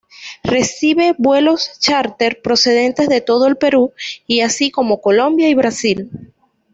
Recibe vuelos chárter procedentes de todo el Perú y así como Colombia y Brasil.